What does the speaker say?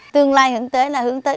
tương lai hướng tới là hướng tới